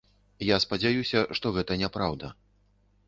Я спадзяюся, што гэта няпраўда.